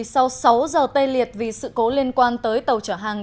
sau sáu giờ tê liệt vì sự cố liên quan tới tàu chở hàng